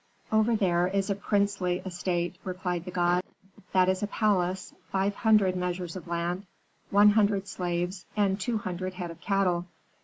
"'Over there is a princely estate,' replied the god. 'That is a palace, five hundred measures of land, one hundred slaves, and two hundred head of cattle.